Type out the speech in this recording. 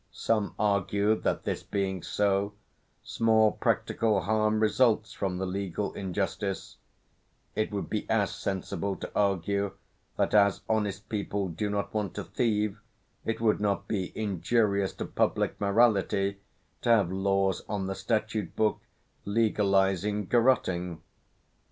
Some argue that this being so, small practical harm results from the legal injustice; it would be as sensible to argue that as honest people do not want to thieve, it would not be injurious to public morality to have laws on the statute book legalising garotting.